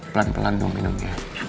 pelan pelan dong minum ya